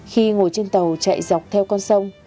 khi ngồi trên tàu chạy dọc theo con sông